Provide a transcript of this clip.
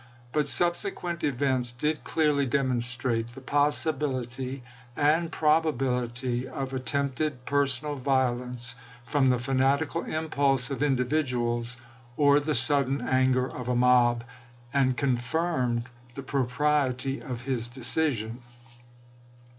But subsequent events did clearly demon strate the possibility and probability of attempted personal violence from the fanatical impulse of individuals, or the sudden anger of a mob, and confirmed the propriety of his decision.